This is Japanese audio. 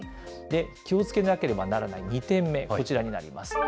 気をつけなければならない２点目、こちらになります。